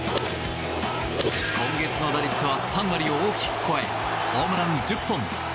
今月の打率は３割を大きく超えホームラン１０本。